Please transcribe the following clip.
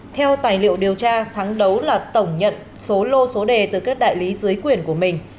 theo tài liệu điều tra thắng đấu là tổng nhận số lô số đề từ các đại lý dưới quyền của mình